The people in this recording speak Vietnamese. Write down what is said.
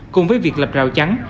cùng với việc lập rào trắng